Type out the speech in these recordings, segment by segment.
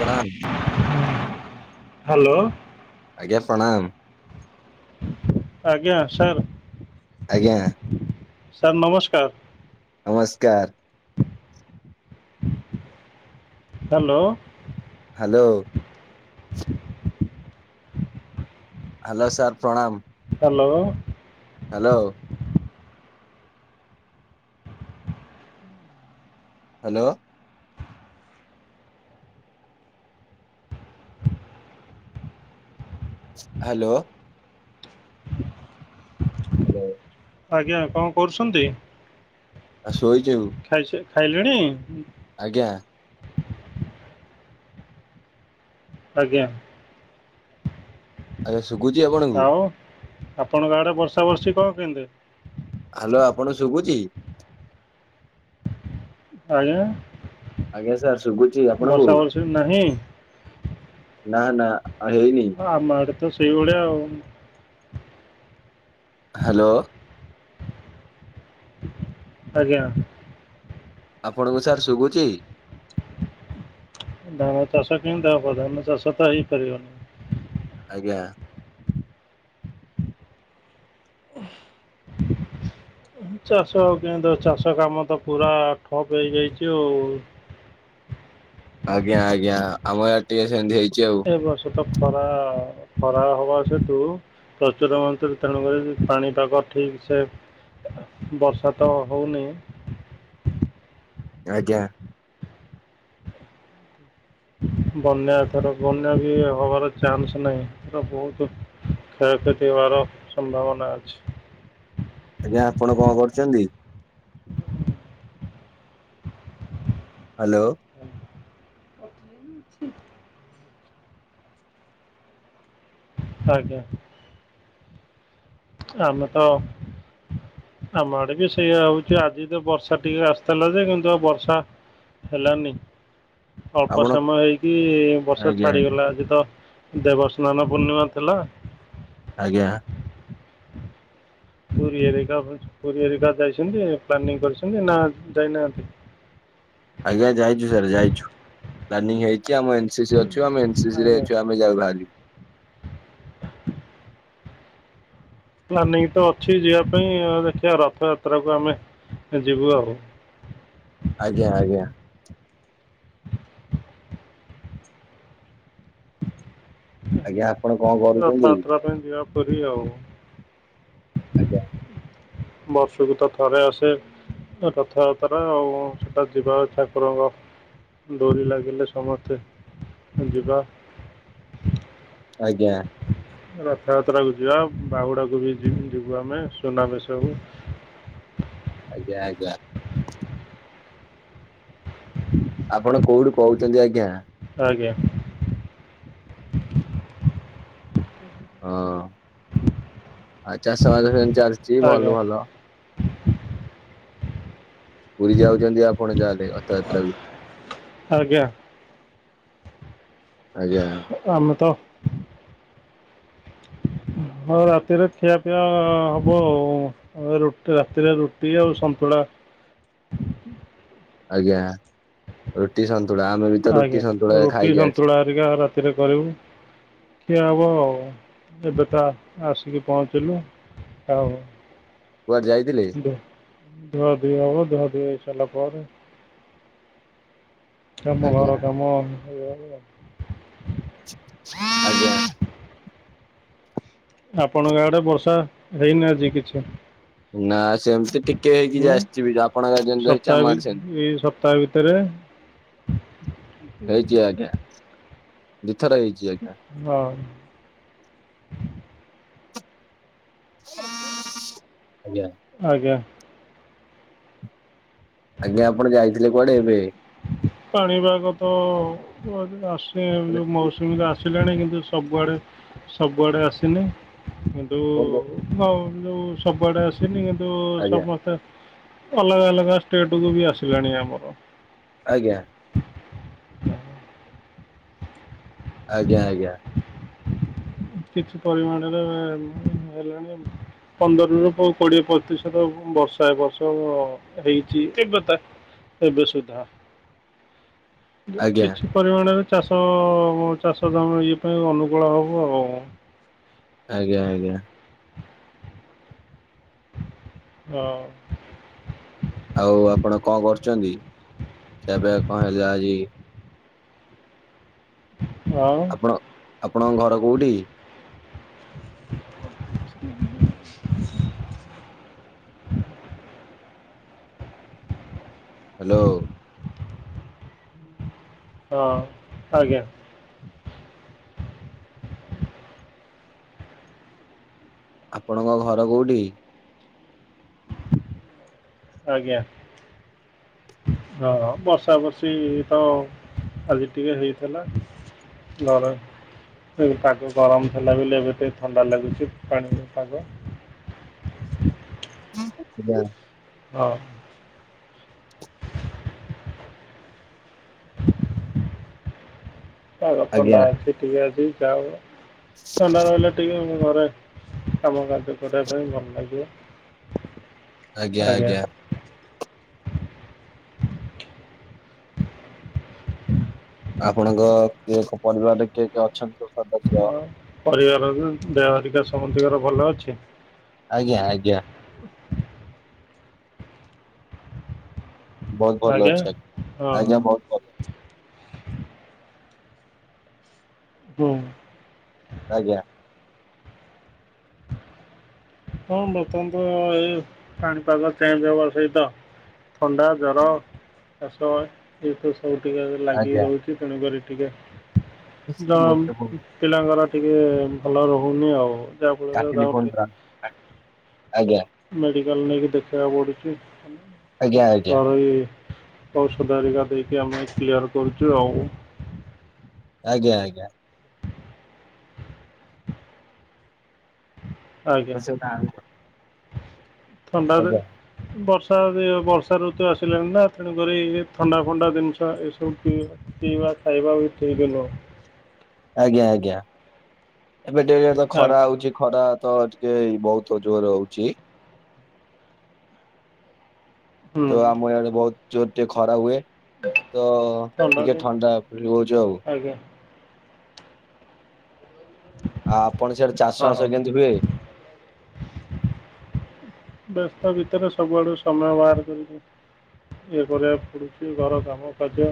ପ୍ରଣାମ। ହାଲୋ। ଆଜ୍ଞା ପ୍ରଣାମ। ଆଜ୍ଞା ସାର ଆଜ୍ଞା। ସାର ନମସ୍କାର। ନମସ୍କାର। ହାଲୋ। ହାଲୋ। ହାଲୋ ସାର ପ୍ରଣାମ। Hello. Hello. Hello. Hello. Hello. ଆଜ୍ଞା କଣ କରୁଛନ୍ତି? ଆଉ ଶୋଇଛି ମୁଁ ଖାଇସାଇ ଖାଇଲୁଣି। ଆଜ୍ଞା। ଆଜ୍ଞା। ଆଜ୍ଞା ଶୁଭୁଚି ଆପଣଙ୍କୁ ଆଉ ଆପଣଙ୍କ ଆଡେ ବର୍ଷା ବର୍ଷୀ କଣ କେମିତି ହାଲୋ ଆପଣ ଶୁଭୁଛି ଆଜ୍ଞା। ଆଜ୍ଞା ସାର ଶୁଭୁଛି ଆପଣଙ୍କୁ ବର୍ଷା ବର୍ଷି ନାହିଁ ନା ନା ହେଇନି ଆମ ଆଡେତ ସେଇଭଳିଆ ଆଉ ହାଲୋ। ଆଜ୍ଞା। ଆପଣଙ୍କୁ ସାର ଶୁଭୁଛି। ଧାନା ଚାଷ କେମିତି ହବ ଧାନ ଚାଷତ ହେଇପାରିବନି। ଆଜ୍ଞା। ଚାଷ କିନ୍ତୁ ଚାଷ କାମ ତ ପୁରା ଠପ୍ ହେଇଯାଇଛି ଆଉ। ଆଜ୍ଞା ଆଜ୍ଞା ଆମ ଆଡେ ଟିକେ ସେମିତି ହେଇଛି ଆଉ ଏ ବର୍ଷ ତ ଖରା ଖରା ହବ ସେତୁ ପ୍ରଚୁର ମନ୍ତରେ ତେଣୁକରି ପାଣିପାଗ ଠିକ ସେ ବର୍ଷା ତ ହଉନି ଆଜ୍ଞା। ବନ୍ୟା ଏଥର ବନ୍ୟା ବି ହବାର ଚାନ୍ସ ନାହିଁ, ଏଥର ବହୁତ କ୍ଷୟକ୍ଷତି ହବାର ସମ୍ଭାବନା ଅଛି। ଆଜ୍ଞା ଆପଣ କଣ କରୁଛନ୍ତି। ହ୍ୟାଲୋ। ହୁଁ। ଆଜ୍ଞା। ଆମେ ତ ଆମ ଆଡେ ବି ସେଇଆ ହଉଛି ଆଜି ତ ବର୍ଷା ଟିକେ ଆସିଥିଲା ଯେ କିନ୍ତୁ ବର୍ଷା ହେଲାନି ଅଳ୍ପ ଆପଣ ସମୟ ହେଇକି ବର୍ଷା ଆଜ୍ଞା ଆଜ୍ଞା ଛାଡିଗଲା ଆଜି ତ ଦେବ ସ୍ନାନ ପୂର୍ଣ୍ଣିମା ଥିଲା। ଆଜ୍ଞା। ପୁରୀ ଏରିକା ପୁରୀ ଏରିକା ଯାଇଛନ୍ତି ପ୍ଲାନିଂ କରିଛନ୍ତି ନା ଯାଇନାହାନ୍ତି। ଆଜ୍ଞା ଯାଇଛୁ ସାର୍ ଯାଇଛୁ ପ୍ଲାନିଂ ହେଇଛି ଆମ ଏନ ସି ସି ଅଛୁ ଆମେ ଏନ ସି ସି ରେ ଆଜ୍ଞା କ୍ୟାମ୍ପ ଆମେ ଯାଉ ବାହାରିବୁ। ପ୍ଲାନିଂ ତ ଅଛି ଯିବା ପାଇଁ ଦେଖିବା ରଥଯାତ୍ରାକୁ ଆମେ ଯିବୁ ଆଉ। ଆଜ୍ଞା ଆଜ୍ଞା। ଆଜ୍ଞା ଆପଣ କଣ ହୁଁ କରୁଛନ୍ତି? ରଥଯାତ୍ରା ପାଇଁ ଯିବା ପୁରୀ ଆଉ ଆଜ୍ଞା। ବର୍ଷକୁ ତ ଥରେ ଆସେ ରଥଯାତ୍ରା ଆଉ ସେଟା ଯିବା ଇଚ୍ଛା ଠାକୁରଙ୍କ ଡୋରି ଲାଗିଲେ ସମସ୍ତେ ଯିବା। ଆଜ୍ଞା। ରଥଯାତ୍ରା କୁ ଯିବା ବାହୁଡାକୁ ବି ଯିବୁ ଆମେ ସୁନା ବେଶ କୁ। ଆଜ୍ଞା ଆଜ୍ଞା। [unintelligible] ଆପଣ କୋଉଠି କହୁଛନ୍ତି ଆଜ୍ଞା ଆଜ୍ଞା। ହଁ ହଁ। ଆଉ ଚାଷବାସ ସେମିତି ଚାଲିଛି ଆଜ୍ଞା ଭଲ ଭଲ। ପୁରୀ ଯାଉଛନ୍ତି ଆପଣ ଯାହେଲେ ରଥଯାତ୍ରା କୁ? ଆଜ୍ଞା। ଆଜ୍ଞା। ଆମେ ତ ହଁ ରାତିରେ ଖିଆ ପିଆ ହବ ଆଉ। ଆଉ ରୁ ରାତିରେ ରୁଟି ଆଉ ସନ୍ତୁଳା। ଆଜ୍ଞା ରୁଟି ସନ୍ତୁଳା ଆମେ ବି ତ ରୁଟି ଆଜ୍ଞା ସନ୍ତୁଳା ରୁଟି ଖାଇକି ଆସିଲୁ ସନ୍ତୁଳା ହେରିକା ରାତିରେ କରିବୁ। ଖିଆ ହେବ ଆଉ ଏବେତ ଆସିକି ପହଞ୍ଚିଲୁ। ଆଉ କୁଆଡେ ଯାଇଥିଲେ? ଧୁଆଧୁଇ ହେବ ଧୁଆଧୁଇ ହେଇ ସାରିଲା ପରେ କାମ ଆଜ୍ଞା ଘର କାମ ଇ ଆଜ୍ଞା। ଆପଣଙ୍କଆଡେ ବର୍ଷା ହେଇନି ଆଜି କିଛି? ନା ସେମ ଟିକେ ହେଇକି ଯେ ହୁଁ ଆସିଥିବି ଯେ ଆପଣଙ୍କ ଯେମିତି ହେଇଛି ସପ୍ତାହେ ଆମ ଭି ଆଡେ ସେମତି ଏଇ ସପ୍ତାହେ ଭିତରେ ହେଇଛି ଆଜ୍ଞା ଦିଇଥର ହେଇଛି ଆଜ୍ଞା। ହଁ। ଆଜ୍ଞା ଆଜ୍ଞା। ଆଜ୍ଞା ଆପଣ ଯାଇଥିଲେ କୁଆଡେ ଏବେ? ପାଣିପାଗ ତ [unintelligible] ଆସେ ମାନେ ଯୋଉ ମୌସୁମୀ ଆସେ ଆସିଲାଣି କିନ୍ତୁ ସବୁଆଡ଼େ ସବୁଆଡ଼େ ଆସିନି କିନ୍ତୁ ଫୋନ ହଁ ଯୋଉ ସବୁଆଡେ କରି ଆସିନି କିନ୍ତୁ ଆଜ୍ଞା ସମସ୍ତେ ଅଲଗା ଅଲଗା ଷ୍ଟେଟ କୁ ବି ଆସିଲାଣି ଆମର। ଆଜ୍ଞା। ଆଜ୍ଞା ଆଜ୍ଞା। କିଛି ପରିମାଣରେ ହେଲାଣି। ପନ୍ଦରରୁ କୋଡିଏ ପ୍ରତିଶତ ବର୍ଷା ଏ ବର୍ଷ ହେଇଛି ଥିବଥା। ଏବେ ସୁଧା ଆଜ୍ଞା କିଛି ପରିମାଣରେ ଚାଷ ଚାଷ କାମ ଇଏ ପାଇଁ ଅନୁକୂଳ ହବ ଆଉ। [unintelligible] ଆଜ୍ଞା ଆଜ୍ଞା। ହଁ। ଆଉ ଆପଣ କଣ କରୁଛନ୍ତି ଖିଆ ପିଆ କଣ ହେଲା ଆଜି? [unintelligible] ଅ ଆପଣଙ୍କ ଘର କୋଉଠି? ହ୍ୟାଲୋ। ହଁ ଆଜ୍ଞା। ଆପଣଙ୍କ ଘର କୋଉଠି? ଆଜ୍ଞା। ହଁ ବର୍ଷା ବର୍ଷି ତ ଆଜି ଟିକେ ହେଇଥିଲା। ନଡ। [unintelligible] ପାଗ ଗରମ ଥିଲା ବୋଲି ଏବେ ଟି ଥଣ୍ଡା ଲାଗୁଛି ପାଣି ପାଗ। [inaudible] ଆଜ୍ଞା। [unintelligible] ପାଗ ଆଜ୍ଞା ଥଣ୍ଡା ଅଛି ଟିକେ ଆଜି ଯାଓ ଥଣ୍ଡା ରହିଲେ ଟିକେ ଘରେ କାମ କାର୍ଯ୍ୟ କରିବା ପାଇଁ ଭଲ ଲାଗିବ। ଆଜ୍ଞା ଆଜ୍ଞା! ଆପଣଙ୍କ କିଏ ପରିବାରରେ କିଏ କିଏ ଅଛନ୍ତି ସଦସ୍ୟ? ପରିବାରରେ ଦେହହରିକା ସମସ୍ତିଙ୍କର ଭଲ ଅଛି? ଆଜ୍ଞା ଆଜ୍ଞା! ବହୁତ୍ ଭଲ ଅଛି। ଆଜ୍ଞା ହଁ ଆଜ୍ଞା ବହୁତ୍ ହୁଁ! ଆଜ୍ଞା। ହଁ ବର୍ତ୍ତମାନ ତ ଏଇ ପାଣିପାଗ ଚେଞ୍ଜ ହବା ସହିତ ଥଣ୍ଡା, ଜର, କାଷ ଏ ତୁ ସବୁ ଟିକେ ଲାଗିକି ଆଜ୍ଞା ରହୁ ତେଣୁ କରି ଠିକେ ଦ ଗୋଟେ ପିଲାଙ୍କର ଟିକେ ଭଲ ରହୁନି ଆଉ। ଯାହାଫଳରେ କାଟିଲି ତାଙ୍କୁ କୁହନ୍ତ ଆ ଆଜ୍ଞା। ମେଡିିକାଲ ନେଇକି ଦେଖିବାକୁ ଆଜ୍ଞା ପଡ଼ୁଚି। ଆଜ୍ଞା ଆଜ୍ଞା ଘରୋଇ ଔଷଧ ହରିକା ଦେଇକି ଆମେ କ୍ଲିୟର କରୁଚୁ ଆଉ। ଆଜ୍ଞା ଆଜ୍ଞା। ଆଜ୍ଞା କ ସେଉଟା [unintelligible] ଥଣ୍ଡାରେ ବର୍ଷା ବେ ବର୍ଷା ଋତୁ ଆସିଲାଣିି ନା ତେଣୁକରି ଇଏ ଥଣ୍ଡା ଫଣ୍ଡା ଜିନ୍ଷ ଏସବୁ [unintelligible] ପିଇବା, ଖାଇବା ଉଠେଇଦେଲ। ଆଜ୍ଞା ଆଜ୍ଞା! ଏବେ ଟିକେ ତ ଖରା ଆଜ୍ଞା ହଉଚି। ଖରା ତ ଟିକେ ବହୁତ୍ ଜୋର ହଉଚି। ହୁଁ ତ ଆମ ଇଆଡେ ବହୁତ୍ ଜୋର ଟିକେ ଖରା ହୁଏ। ତ ଟିକେ ଥଣ୍ଡା ପିଉଚୁ ଆଉ। ଆଜ୍ଞା ଆଉ ଆପଣ ସିଆଡେ ଚାଷ ହଁ ହଁ ବାସ କେମିତି ହୁଏ? ବ୍ୟସ୍ତ ଭିତରେ ସବୁଆଡୁ ସମୟ ବାହାର କରି ଇଏ କରିବାକୁ ପଡ଼ୁଚି ଘର କାମ ଖର୍ଚ୍ଚ,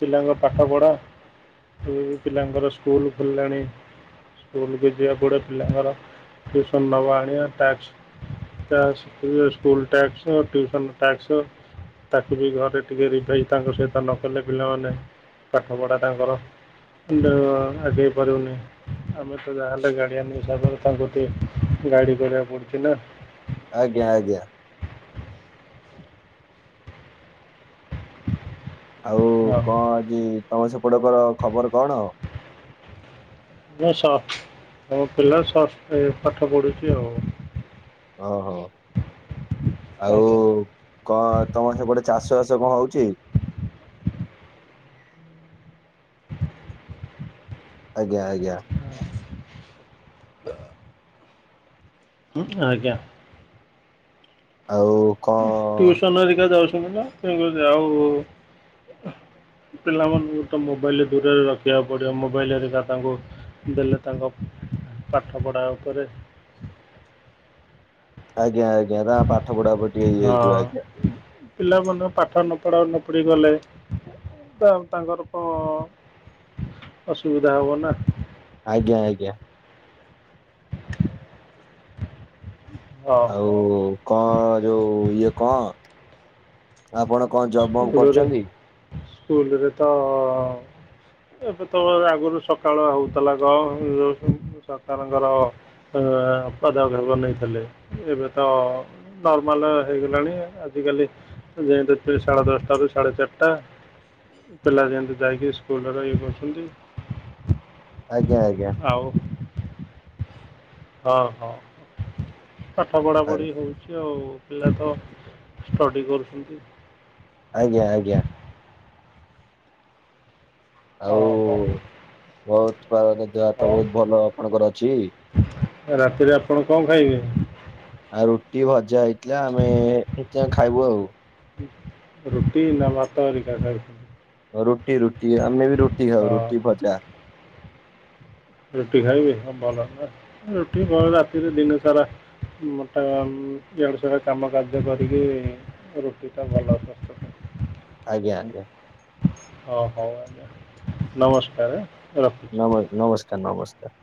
ପିଲାଙ୍କ ପାଠ ପଢା। ବହୁ ପିଲାଙ୍କର ସ୍କୁଲ ଖୋଲିଲାଣି। ସ୍କୁଲକୁ ଯିବାକୁ ପଡେ ପିଲାଙ୍କର ଟ୍ୟୁସନ ନବା ଆଣିବା ତା ସ ସ୍କୁଲ ଟ୍ୟାକ୍ସ, ଟ୍ୟୁସନ ଟ୍ୟାକ୍ସ। ତାକୁ ବି ଘରେ ଟିକେ ରିଭାଇଜ ତାଙ୍କ ସହିତ ନକଲେ ପିଲାମାନେ ପାଠ ପଢା ତାଙ୍କର ଯଉ ଆଗେଇ ପାରିବନି। ଆମେ ତ ଯାହାହେଲେ ଗାଡିଆନ ହିସାବରେ ତାଙ୍କୁ ଟିକେ ଗାଳି କରିବାକୁ ପଡ଼ୁଚି ନା। ଆଜ୍ଞା ଆଜ୍ଞା! ଆଉ ହଁ କଁ ଆଜି ତମ ସେପଟକର ଖବର କଣ? ମୁଁ ସଫ ମୋ ପିଲା ସଫ ପାଠ ପଢ଼ୁଛି ଆଉ। ଓହୋ! ଆଉ ଆଜ୍ଞା କଣ ତମର ସେପଟେ ଚାଷ ବାଷ କଣ ହଉଚି? ଆଜ୍ଞା! ଆଜ୍ଞା! [unintelligible] ଆଜ୍ଞା। ଆଉ କଣ ଟିଉସନ ହେରିକା ଯାଉଛନ୍ତି ପା ତେଣୁକରି ଆଉ ପିଲାମାନଙ୍କୁ ତ ମୋବାଇଲ ଦୂରରେ ରଖିବାକୁ ପଡିବ ମୋବାଇଲ ହେରିକା ତାଙ୍କୁ ଦେଲେ ତାଙ୍କ ପାଠ ପଢ଼ା ଉପରେ ଆଜ୍ଞା, ଆଜ୍ଞା, ତାଙ୍କ ପାଠ ପଢା ଉପରେ ଟିକେ ଇଏ ହେଇଯିବ ହଁ, ଆଜ୍ଞା ପିଲାମାନଙ୍କୁ ପାଠ ନ ପଢା ପଢି କଲେ ତା ତାଙ୍କର ଙ୍କ ଅସୁବିଧା ହବ ନା। ଆଜ୍ଞା-ଆଜ୍ଞା। [inaudible] ଓହୋ ଆଉ କଣ ଯୋଉ ଇଏ କଣ ଆପଣ କଣ ଜବ୍ ବବ୍ ସ୍କୁଲରେ, କରୁଛନ୍ତି? ସ୍କୁଲରେ ତ ଅ ଏବେ ତ ଆଗରୁ ସକାଳ ହଉଥିଲା ଗ ସରକାରଙ୍କର ପାଦ ଗବ [unintelligible] ନେଇଥିଲେ ଏବେ ତ ନର୍ମାଲ ହେଇଗଲାଣି ଆଜିକାଲି ଯେହେତୁ ସେ ସାଢ଼େ ଦଶଟାରୁ ସାଢ଼େ ଚାରିଟା ପିଲା ଯେମିତି ଯାଇକି ସ୍କୁଲରେ ଇଏ କରୁଛନ୍ତି। ଆଜ୍ଞା, ଆଜ୍ଞା। ଆଉ ହ, ହଁ ପାଠ ପଢା ଆ- ପଢି ହଉଛି ଆଉ। ପିଲା ତ ଷ୍ଟଡ଼ି କରୁଛନ୍ତି। ଆଜ୍ଞା, ଆଜ୍ଞା। ଆଉ ହଁ ହଁ ବହୁତ ପା ଦେହ ହାତ ହଉ ବହୁତ ଭଲ ଆପଣଙ୍କର ଅଛି। ରାତିରେ ଆପଣ କଣ ଖାଇବେ? ଆଉ ରୁଟି, ଭଜା ହେଇଥିଲା ଆମେ ଏ ଏଁଯାଏ ଖାଇବୁ ଆଉ। ରୁଟି ନା ଭାତ ହେରିକା ଖାଇବୁ ରୁଟି, ରୁଟି ଆମେ ବି ରୁଟି ଖାଉ ହଁ ରୁଟି, ହଁ ଭଜା। ରୁଟି ଖାଇବି ଭଲ ରୁଟି ଭଲ ରାତିରେ ଦିନ ସାରା ମୋଟେ ଇଆଡୁ ସିଆଡୁ କାମ କାର୍ଯ୍ୟ କରିକି ରୁଟିଟା ଭଲ ସ୍ୱାସ୍ଥ୍ୟ ପାଇଁ। ଆଜ୍ଞା, ଆଜ୍ଞା। ହ ହଉ ଆଜ୍ଞା ନମସ୍କାର ରଖ ନ ନମସ୍କାର, ନମସ୍କାର,